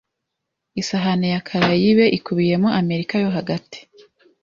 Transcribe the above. Isahani ya Karayibe ikubiyemo Amerika yo hagati